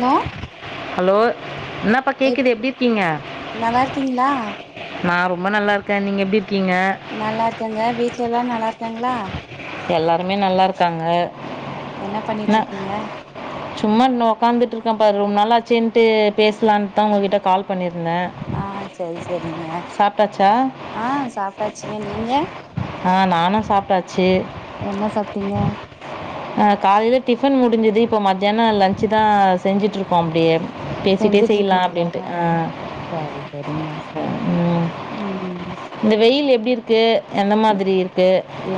No hello என்னப்பா கேக்குது எப்டி இருக்கீங்க நல்லா இருக்கீங்களா நா ரொம்ப நல்லா இருக்கே நீங்க எப்டி இருக்கீங்க நல்லா இருக்கேங்க வீட்ல எல்லா நல்லா இருக்காங்களா எல்லாருமே நல்லா இருக்காங்க என்ன பண்ணிட்டிருக்கீங்க சும்மா இன்னு உக்காந்துட்டிருக்கே பாரு ரொம் நாள் ஆச்சேன்ட்டு பேசலான் தா உங்ககிட்டே கால் பண்ணிருந்தே ஆ சேரி சேரிங்க ஆ சாப்டாச்சுங்க நீங்க ஆ நானு சாப்ட்டாச்சி என்ன சாப்ட்டீங்க ஆ காலைல டிஃபன் முடிஞ்சது இப்போ மதியானோ லஞ்சு தா செஞ்சுட்டிருக்கோ அப்டியே செஞ்சுட்டிருக்கீங்களா சரி செரிங்க ம். உம் ம் இந்த வெயில் எப்டி இருக்கு எந்த மாதிரி இருக்கு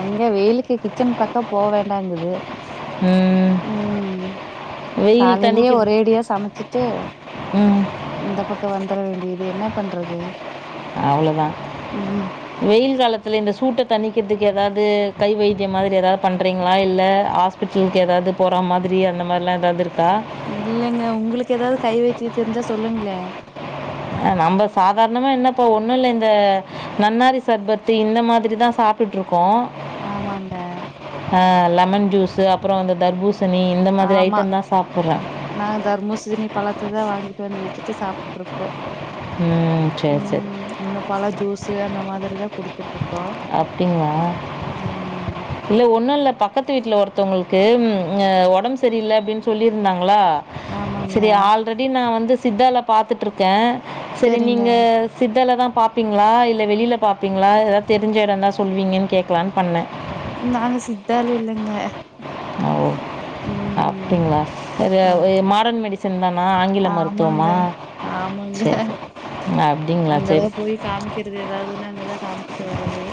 எங்க வெயிலுக்கு கிச்சன் பக்கோ போ வேண்டாங்குது ம் ம் வெயில் காலையிலயே தணிக்கற்த் ஒரேடியா சமைச்சிட்டு ம் இந்த பக்கோ வந்தர வேண்டியது என்னா பண்றது அவ்ளோதா ம் வெய்ல் காலத்துல இந்த சூட்ட தணிக்கிற்துக் எதாவ்து கை வைத்தியம் மாதிரி எதாவ் பண்றீங்ளா இல்ல ஹாஸ் பிட்டல்க் எதாவ்து போற மாதிரி அந்த மாரிலா எதாவ்து இருக்கா இல்லைங்க உங்ளுக் எதாவ்து கை வைத்தியோ தெரிஞ்சா சொல்லுங்ளே அ நம்ப சாதாரணமா என்ன இப்ப ஒன்னுல்ல இந்த நன்னாரி சர்பத்து இந்த மாதிரிதா சாப் ட்டுட்ருக்கோ ஆமாங்க ஆ லெமன் ஜூஸு அப்பறோ இந்த தர்பூசணி இந்த மாதிரி ஆமா ஐட்டம் தா சாப்பிட்றோ நாங்க தர்பூசணி பழத்த தா வாங்கீட் வந் வெச்சுட்டு சாப்ட்டுட்ருக்கோ ம் சேரி சேரி இன்னு பழ ஜூஸு அந்த மாதிரி தா குடிச்சி ட்ருக்கோ அப்டிங்ளா இல்ல ஒன்னுல்ல பக்கத்து வீட்ல ஒருத்தவ்ங்கள்க்கு ம் அ ஒடம் செரியில்ல அப்டின் சொல்லியிருந்தாங்களா ஆமாங்க செரி ஆல்ரெடி நா வந்து சித்தால பாத்துட்ருக்கே செரி செரிங்க நீங்க சித்தால தா பாப்பீங்ளா இல்ல வெளில பாப்பீங்ளா எதாவ்து தெரிஞ்ச எடோ இர்ந்தா சொல்லுவீங்கன் கேக்கலான் பண்ணே நாங்க சித்தால இல்லங்க ஓ ம் அப்டிங்ளா அது ஆ எ மாடன் மெடி சன் தானா ஆங்கில ஆமாங்க மருத்துவமா ஆமாங்க சேர் சே அங்கதா போய் காமிக்கறது எதாவ்துன்னா அங்கதா காம்ச்சிட்டு வரது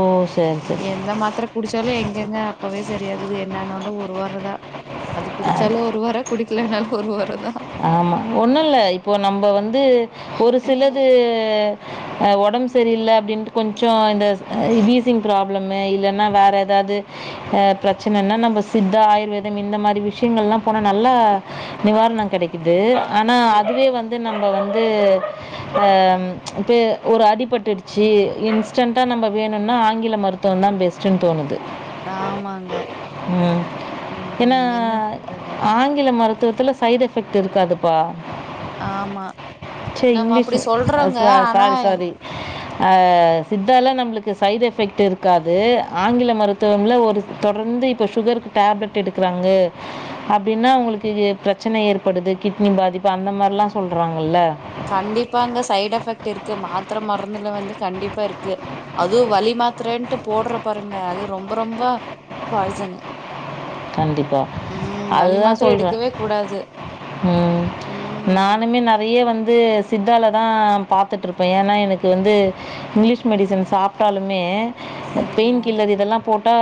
ஓ சேர் செரி இந்த மாத்திர குடிச்சாலு எங்கங்க அப்பவே சரியாகுது என்னனாலு ஒரு வார தா அது குடிச்சாலு ஒரு வாரோ குடிக்கலேனாலு ஒரு வாரோந்தா ஒன்னுல்ல இப்போ நம்ப வந்து ஒரு சிலது அ ஒடம் செரியில்ல அப்டின்ட்டு கொஞ்சோ இந்த அ வீசிங் ப்ராப்ளமு இல்லன்னா வேற எதாவ்து அ பிரச்சனன்னா நம்ம சித்தா, ஆயுர்வேதம் இந்த மாரி விஷ்யங்கள்லா போனா நல்லா நிவார்ணம் கெடைக்கிது ஆனா அதுவே வந்து நம்ம வந்து அ இப்ப ஒரு அடிபட்டுடுச்சி இன்ஸ் டன்ட்டா நம்ப வேணுன்னா ஆங்கில மருத்துவந்தா பெஸ்ட்டுன் தோணுது ஆமாங் ம் ஏனா என்ன பண்றது ஆங்கில மருத்துவத்துல சைட் எஃபெக்ட் இருக்காது ப்பா ஆமா சே நம்ம அப்டி இங்லீஸு அ சொல்றோங்க சா ஆனா சாரி சாரி ஆ சித்தால நம்ளுக்கு சைட் எஃபெக்ட் இருக்காது ஆங்கில மருத்துவமில்ல ஒரு தொடர்ந்து இப்ப சுகருக்கு டேப்லெட் எடுக்றாங்க அப்டின்னா அவுங்களுக்கு இது பிரச்சனை ஏற் படுது கிட்னி பாதிப்பு அந்த மாரிலா சொல்றாங்கல்ல கண்டிப்பாங்க சைட் எஃபெக்ட்டிருக்கு மாத்தர, மருந்துல வந்து கண்டிப்பா இருக்கு அது வலி மாத்ரன்ட்டு போட்றோ பாருங்க அது ரொம்ப ரொம்ப பாய்சனு கண்டிப்பா வலி அதுதா மாத்திர சொல்றே எடுக்கவே கூடாது ம் ம் நானுமே நறய வந்து சித்தாலதா பார்த்துட்டுருப்பேன் ஏன்னா எனக்கு வந்து இங்கிலீஷ் மெடிசன் சாப்ட்டாலுமே சரிங்க பெயின் கில்லர் இதெல்லா போட்டா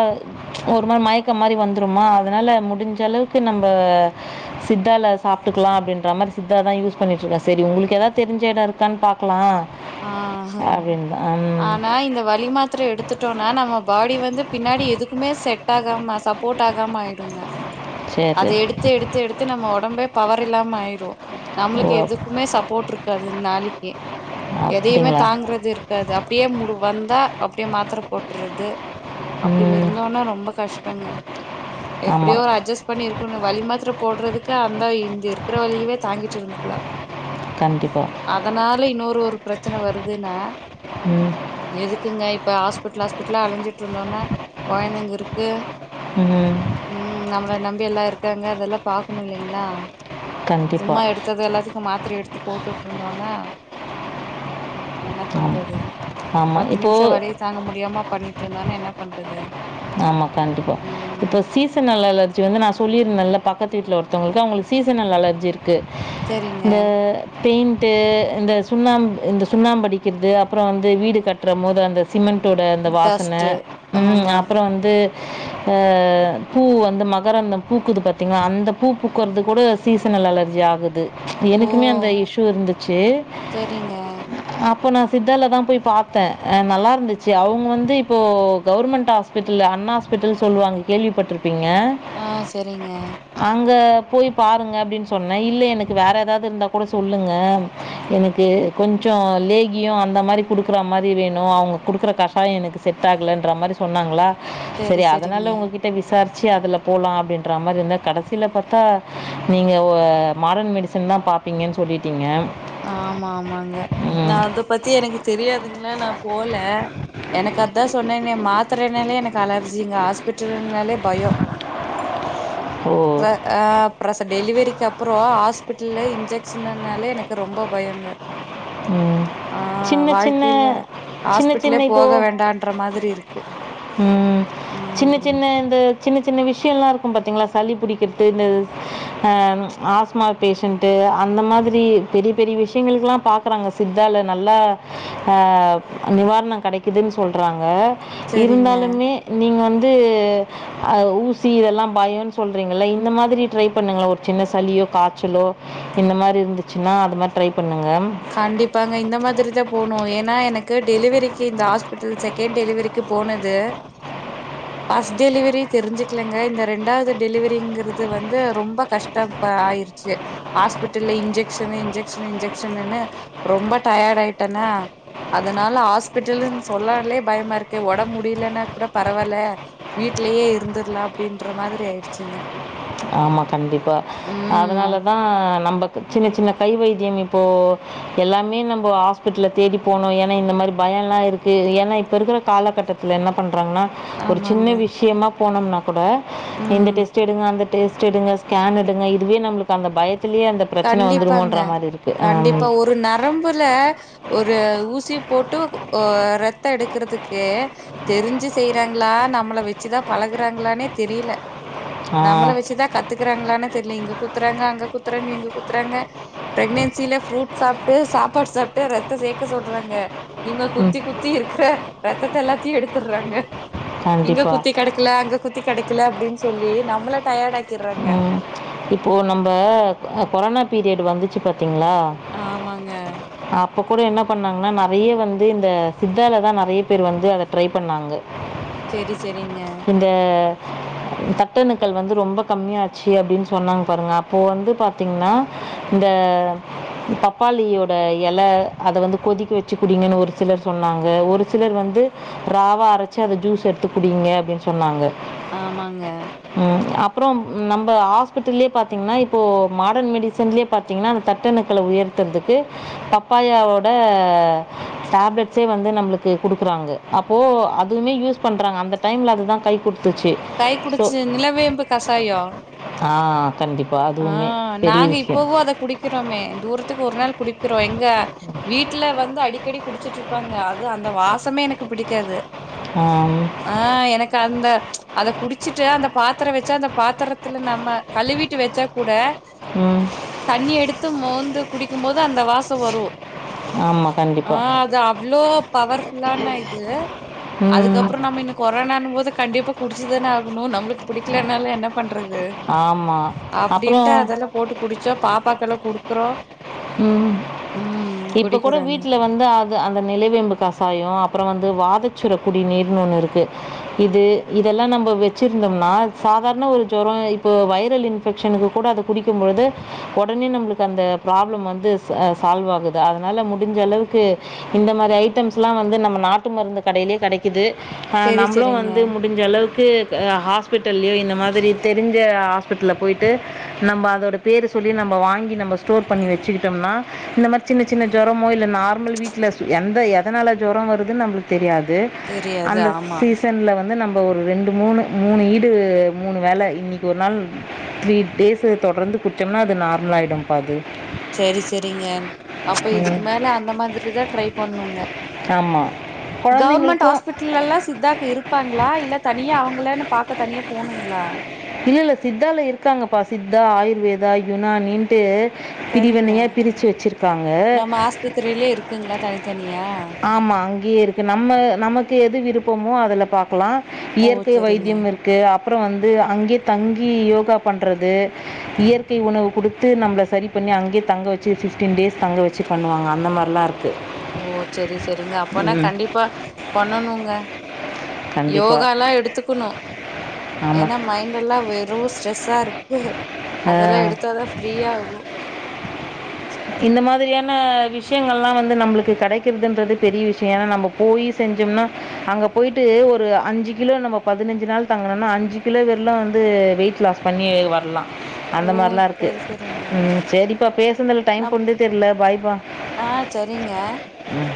ஒரு மாரி மயக்கம் மாரி வந் ந்துரூமா அதனால முடிஞ்சளவுக்கு நம் சித்தால சாப்டுக்கலா அப்டின்ற மாரி சித்தாதா யூஸ் பண்ணிட்டுருக்கேன் சரி உங்களுக்கு ஏதாவத் தெரிஞ்ச எடம் இருக்கான் பாக் கலாம் ஆ அப்டின்னுதா ம் ஆனா இந்த வலி மாத்திரை எடுத்துட்டோம்னா நம்ம பாடி வந்து பின்னாடி எதுக்குமே செட் டாகம சப்போர்ட் ஆகாம ஆயிடுங்க சரி, அத சரி. எடுத்தெ எடுத்தெ எடுத்தே நம்ம ஒடம்பே பவர் இல்லாம ஆயிரோ நம்மளுக்கு ஓ! எதுக்குமே சப்போர்ட் இருக்காது நாளைக்கி எதயுமே அப்டிங்களா? தாங்குறது இருக் காது அப்டியே மூட் வந்தா அப்டியே மாத்திர போட்றுது அப்டி ம். விருந்தாலூ ரொம்ப கஷ்டங்க ஆமா. எப்டியோ ஒரு அட்ஜஸ்ட் பண்ணியிருக்கணோ வலி மாத்திர போட்றதுக்கு அந்த இங்க இருக்கிற வலியவே தாங்கிட்டு இருந்துக்கலா கண்டிப்பா அதனால இன்னொரு ஒரு பிரச்சனை வருதுனா ம் எதுக்குங்க இப்போ ஹாஸ்பிட்டல் ஹாஸ்பிட்லா அலஞ்சிட்டு இருந்தோன்னா கொழந்தைங்க இருக்கு ம் ம் நம்மள நம்பியெல்லா இருக்காங்க அதெல்லா பாக்கணோ இல்லைங்களா சும்மா கண்டிப்பா. எடுத்தது எல்லாத்து... அந்த மாத்திர எடுத்து போட்டுட்டு இருந்தோன்னா ஆமா. பண்றது ஆமா. பத்து இப்போ நிமிஷோ வலிய தாங்க முடியாம பண்ணிட்டுருந்தோன்னா என்ன பண்றது ஆமா கண்டிப்பா ம் இப்ப சீசன் நாள்ல அத் வந்து நா சொல்லிருந்தேன்ல பக்கத்து வீட்ல ஒருத்தவங்களுக்கு அவங்களுக்கு சீசனல் அலர்ஜி இருக்கு சரிங்க இந்த பெயிண்ட்டு இந்த சுண்ணாம்பு இந்த சுண்ணாம்படிக்கிறது அப்றோ வந்து வீடு கட்றம் போது அந்த சிமெண்டோட அந்த வாசனை டஸ்ட்டு ம் ஆமா அப் வந்து அ பூ வந்து மகரந்தம் பூக்குது பாத்தீங்களா அந்தப் பூ பூக்கற்து கூட சீசனல் அலர்ஜி ஆகுது ஓ எனக்குமே அந்த இஸ்யூ இருந்துச்சு சரிங்க அப்போ நா சித்தால தா போய் பாத்தேன் அ நல்லா இருந்துச்சு அவங்க வந்து இப்போ கவர்மெண்ட் ஆஸ் பிட்டல் அண்ணா ஹாஸ்பிட்டல் சொல்லுவாங்க கேள்விப்பட்ருப்பீங்க ஆ சரிங்க அங்க போய் பாருங்க அப்டின் சொன்னே இல்ல எனக்கு வேற ஏதாவது இருந்தா கூட சொல்லுங்க எனக்கு கொஞ்சோ லேகியம் அந்த மாதிரி குடுக்குற மாரி வேணும் அவங்க குடுக்குற கஷ் யோம் எனக்கு செட் ஆகலன்ற மாரி சொன்னாங்களா செரி சரி செரிங்க அதனால உங்க கிட்ட விசாரிச்சு அதுல போலா அப்டின்ற மாரி இருந்தே கடசில பாத்தா நீங்க வே மாடர்ன் மெடி சன்ஸ் தா பாப்பீங்கன்னு சொல்லிட்டீங்க ஆமா ஆமாங்க நா ம் அத பத்தி எனக்கு தெரியாதுங்களா நா போல எனக்கு அத்தா சொன்னனே மாத்தரைனாலே எனக்கு அலர்ஜிங்க ஹாஸ்பிட்டல்னாலே பயம்! ஓ அ அப்பிரச டெலிவரிக்கு அப்பறே ஹாஸ்பிட்டல்ல இன்ஜெக்ஷ்ன்னாலே எனக்கு ரொம்ப பயங்க ம். [inaudible] ஆ சின்ன சின்ன வாழ்க்கையில சின்ன ஹாஸ்பிட்லே சின்ன இப்போ போக வேண்டான்ற மாதிரி இருக்கு ம் சின்ன ம் சின்ன இந்த சின்ன சின்ன விஷயம்ல்லா இருக்கு பாத்தீங்களா சளி புடிக்கிற்து இந்த அ ஆஸ்மா பேஷன்ட்டு அந்த மாதிரி பெரிய பெரிய விஷயங்களுக்குல்லா பாக் பாக்குறாங்க சித்தால நல்லா ஆ நிவார்ண கெடைக்குதுன்னு சொல்றாங்க செரிங்க இருந்தாலுமே நீங்க வந்து அ ஊசி இதெல்லா பயோன் சொல்றீங்கள்ல இந்த மாதிரி ட்ரை பண்ணுங்ள ஒரு சின்ன சளியோ காய்ச்சலோ இந்த மாரி இருந்துச்சுன்னா அது மாதிரி ட்ரை பண்ணுங்க கண்டிப்பாங்க இந்த மாதிரி தா போனு ஏன்னா எனக்கு டெலிவரிக்கு இந்த ஹாஸ்பிட்டல் செ கன்ட் டெலிவரிக்கு போனது ஃபஸ்ட் டெலிவரி தெரிஞ்சுக்கலங்க இந்த ரெண்டாவது டெலிவரிங்கிறது வந்து ரொம்ப கஷ்டம் ப ஆயிருச்சு ஹாஸ்பிட்டல்ல இன்ஜெக்ஷனு இன்ஜெக்ஷனு இன்ஜெ க்ஷனு ரொம்ப டயர்ட் ஆயிட்டனா அதனால ஹாஸ்பிட்டலுன் சொல்லாலே பயமா இருக்கு ஒடம்பு முடியலனா கூட பரவால வீட்லயே இருந்துர்லா அப்டின்ற மாதிரி ஆயிடுச்சுங்க ஆமா கண்டிப்பா ம் அதனாலதா நம்ம சின்ன சின்ன கை வைத்தியம் இப்போ எல்லாமே நம்ம ஹாஸ் பிட்டல தேடி போனோ ஏன்னா இந்த மாரி பயலா இருக்கு ஏன்னா இப்ப இருக்கிற காலகட்டத்துல என்ன பண்றாங்ன்னா ஒரு ஆமாங்க சின்ன விஷயமா போனோம்னா கூட இந்த ம் டெஸ்ட் எடுங்க அந்த டெஸ்ட் எடுங்க ஸ்கேன் எடுங்க இதுவே நம்மளுக்கு அந்த பயத்திலயே அந்த பிரச்சன கண்டிப்பாங்க. வந்துருமோன்ற மாரி இருக்கு ஆ ம் கண்டிப்பா. ஒரு நரம்புல ஒரு ஊசி போட்டு ஒ ரத்தோ எடுக்கறதுக்கே தெரிஞ்சு செய்றாங்ளா நம்மள வச்சுதா பழகுறாங்களானே தெரில நம்மள ஆ வச்சுதா கத்துக்குறாங்களானே தெரில இங்க குத்துறாங்க அங்க குத்துறாங்க இங்க குத்துறாங்க ப்ரகனன்சில ஃப்ரூட் சாப்ட்டு சாப்பாடு சாப்ட்டு ரத்தோ சேக்க சொல்றாங்க இங்க குத்தி குத்தி இருக்குற ரத்தத்த எல்லாத்தையு எடுத்துர்றாங்க இங்க குத்தி கண்டிப்பாக கெடைக்கல அங்க குத்தி கெடைக்கல அப்டின் சொல்லி நம்மள டயர்ட் ஆக் ம் இப்போ நம்ம கொரோனா பீரியட் வந்துச்சு பாத்தீங்ளா ஆமாங்க அப்ப கூட என்ன பண்ணாங்கன்னா நெறைய வந்து இந்த சித்தால தா நெறைய பேர் வந்து அத ட்ரை பண்ணாங்க சேரி செரிங்க இந்த தட்டணுக்கள் வந்து ரொம்ப கம்மியாச்சு அப்டின் சொன்னாங்க பாருங்க அப்போ வந்து பாத்தீங்னா இந்த பப்பாளியோட இல அத வந்து கொதிக்க வச்சு குடிங்கன்னு ஒரு சிலர் சொன்னாங்க ஒரு சிலர் வந்து ராவா அரச்சு அத ஜூஸ் எடுத்து குடிங்க அப்டின் சொன்னாங்க ஆமாங்க ம் அப் ப்றோ நம்ம ஹாஸ்பிட்டல்லயே பாத்தீங்ன்னா இப்போ மாடர்ன் மெடிசன்லயே பாத்தீங்ன்னா இந்த தட்டணுக்கள உயர் ததுறதுக்கு பப்பாயாவோட டேப்லெட்ஸே வந்து நம்மளுக்கு குடுக்குறாங்க அப்போ அதுமே யூஸ் பண்றாங்க அந்த டைம்ல அது தா கை குடுத்துச்சு கை சோ குடிச்சு நிலவேம்பு கசாயோ ஆ கண்டிப்பாக ஆ அதுவுமே பெரிய நாங்க விஷயம் இப்பவு அத குடிக்கிறோமே தூரத்துக்கு ஒரு நாள் குடிக்கிறோ எங்க வீட்ல வந்து அடிக்கடி குடிச்சிட்டு இருப்பாங்க அது அந்த வாசமே எனக்கு பிடிக்காது ஆம் ஆ எனக்கு அந்த அத குடிச்சுட்டு அந்த பாத்தரோ வச்சா அந்த பாத்திரத்துல நம்ம கழுவிட் டு வெச்சா கூட ம் தண்ணி எடுத்து மோந்து குடிக்கும் போது அந்த வாசோ வரு ஆமாம் ஆ கண்டிப்பாக அது அவ்ளோ பவர்ஃபுல்லான இது ம் அதுக்கப்புறோ நம்ம இன்னு கொரோனானும் போது கண்டிப்பா குடிச்சுதானே ஆகணு நம்ப்ளுக்கு பிடிக்கலனாலு என்ன பண்றது ஆமா அப்டின்ட்டு அதெல்லா போட்டு குடிச்சோ பாப்பாக்கெல்லா குடுக்குறோ ம் ம் இப்ப கூட குடிக்கிறாங்க வீட்ல வந்து அ ந்த அந்த நிலவேம்பு கசாயோ அப்புற வந்து வாதச்சுர குடி நீர்ன் ஒன்னு இருக்கு இது இதெல்லா நம்ப வெச்சிருந்தோம்னா சாதாரண ஒரு ஜொரோ இப்போ வைரல இன் ஃபெக்ஷனுக்கு கூட அது குடிக்கும்பொழுது உடனே நம்ப்ளுக்கு அந்த ப்ராப்ளம் வந்து ச சால்வ் ஆகுது அதனால முடிஞ்சளவுக்கு இந்த மாரி ஐட்டம்ஸ்லா வந்து நம்ம நாட்டு மருந்து கடையிலே கெடைக்கிது அ செரி நம்ப்ளு செரிங்க வந்து மு மடிஞ்சளவுக்கு க ஹாஸ்பிட்டல்லியோ இந்த மாதிரி தெரிஞ்ச ஹாஸ்பிட்ல்ல போய்ட்டு நம்ப அதோட பேரு சொல்லி நம்ப வாங்கி நம்ப ஸ்டோர் பண்ணி வெச்சுகிட்டோம்னா இந்த மாரி சின்ன சின்ன ஜொரமோ இல்ல நார்மல் வீட்ல எந்த எ எதனால ஜொரோ வருதுன் நம்ப்ளுக் தெரியாது தெரியாது அந்த ஆமா சீ சன்ல வந்து நம்ப ஒரு ரெண்டு மூணு மூணு ஈடு மூணு வேல இன்னிக்கொரு நாள் த்ரீ டேஸு தொடர்ந்து குட்ச்சோம்னா அது நார்மல் ஆயிடும்ப்பா அது செரி செரிங்க அப்ப இதுக்கு மேல அந்த மாதிரிதா ட்ரை பண்ணுங்க ஆமாம் கவுர்மெண்ட் குழந்தைங்களுக்கும் ஹாஸ்பிட்டலெல்லா சித்தாக்கு இருப்பாங்ளா இல்ல தனியா அவங்களனு பாக்க தனியா போணுங்ளா இல்ல இல்ல சித்தால இருக்காங்கப்பா சித்தா ஆயுர்வேதா யுனானீன்ட்டு செரிங்க பிரிவினையா பிரிச்சு வெச்சிருக்காங்க நம்ம ஆஸ்பத்திரியிலே இருக்குங்களா தனித்தனியா ஆமா அங்கியே இருக் கு நம்ம நமக்கு எது விருப்பமோ அதுல பாக்கலா ஓ இயற்கை செரிங்க வைத்தியம் இருக் க்கு அப்புறோ வந்து அங்க்யே தங்கி யோகா பண்றது இயற்கை உணவு குடு த்து நம்ப்ள சரி பண்ணி அங்க்யே தங்க வெச்சு ஃபிஃப்டீன் டேஸ் தங்க வெச்சு பண்ணுவாங்க அந்த மாரிலா இருக் ஓ செரி செரிங்க அப்பன்னா ம் கண்டிப்பா பண்ணனுங்க கண்டிப்பாக யோகால்லா எடுத்துக்குணு ஏனா மைண்டெல்லா வெறு ஸ் ட்ரெஸ்ஸாருக்கு அதெல்லா ஆமாம் எடுத்தாதா ஃப்ரீயா ஆகு இந்த மாதிரியான விஷ்யங்கல்லா வந்து நம்ப்ளுக்கு கெடைக்குறதுன்றது பெரிய விஷயோ ஏனா நம்ப போய் செஞ்சோம்னா அங்க போயிட்டு ஒரு அஞ்சு கிலோ நம்ம பதினஞ்சு நாள் தங்குனனா அஞ்சு கிலோ வெர்லோ வந்து வெயிட் லாஸ் பண்ணி வர்லா ஓ அந்த மாரில்லா இருக்கு செரி செரிங்க ம் சேரிப்பா பேசுந்துல் டைம் நா போன்தே தெர்ல பாய்ப்பா ஆ செரிங்க ம்